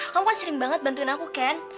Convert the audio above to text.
kamu kan sering banget bantuin aku kan